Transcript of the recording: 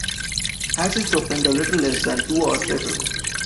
Hatches opened a little less than two hours later.